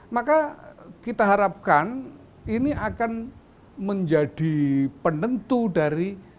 maka kita harapkan ini akan menjadi penentu dari